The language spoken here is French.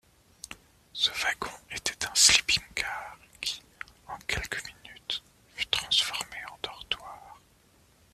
Ce wagon était un « sleeping-car », qui, en quelques minutes, fut transformé en dortoir.